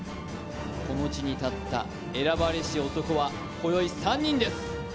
この地に立った選ばれし男はこよい３人です。